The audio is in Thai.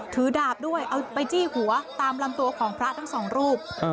ถือดาบด้วยเอาไปจี้หัวตามลำตัวของพระทั้งสองรูป